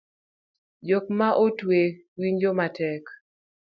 Jok ma otwe winjo matek